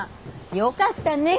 よかったねえ。